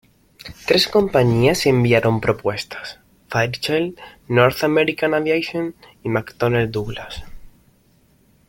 Tres compañías enviaron propuestas: Fairchild, North American Aviation y McDonnell Douglas.